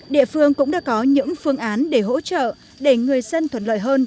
địa phương cũng đã có những phương án để hỗ trợ để người dân thuận lợi hơn